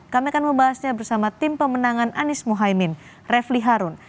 kami akan membahasnya bersama tim pemenangan anies mohaimin refli harun